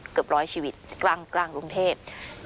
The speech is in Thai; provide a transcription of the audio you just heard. เกือบร้อยชีวิตกลางกรุงเทพ